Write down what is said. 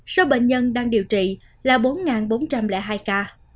số bệnh nhân đang điều trị là bốn bốn trăm linh hai ca